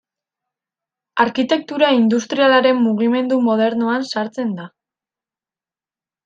Arkitektura industrialaren mugimendu modernoan sartzen da.